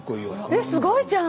えすごいじゃん！